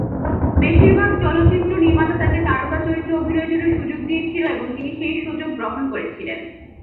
বেশির ভাগ চলচ্চিত্র নির্মাতা তাকে তারকা চরিত্রে অভিনয়ের জন্যে সুযোগ দিয়েছিল এবং তিনি সেই সুযোগ গ্রহণ করেছিলেন।